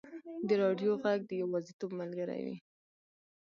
د راډیو ږغ د یوازیتوب ملګری وي.